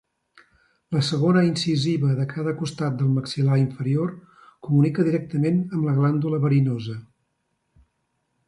La segona incisiva de cada costat del maxil·lar inferior comunica directament amb la glàndula verinosa.